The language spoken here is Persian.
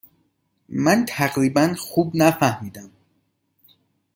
من تقریبا خوب نفهمیدم.